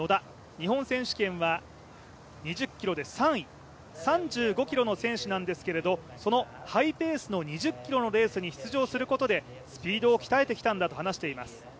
日本選手権は２０ｋｍで３位３５ｋｍの選手なんですけれどそのハイペースの２０ｋｍのレースに出場することで、スピードを鍛えてきたんだと話します。